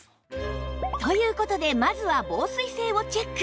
という事でまずは防水性をチェック